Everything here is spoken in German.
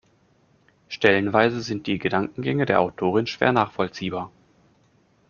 Stellenweise sind die Gedankengänge der Autorin schwer nachvollziehbar.